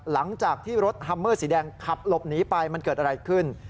หลังจากที่รถฮัมเมอร์สีแดงขับหลบหนีไปมันเกิดอะไรขึ้น